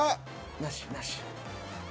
なしなし。